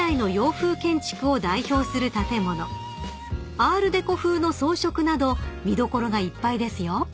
［アールデコ風の装飾など見どころがいっぱいですよ］